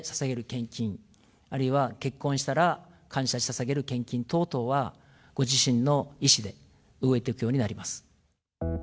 献金、あるいは結婚したら感謝をささげる献金等々はご自身の意思で動いていくようになります。